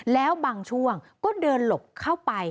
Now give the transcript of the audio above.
แล้วบางช่วงก็เดินหลบเข้าไป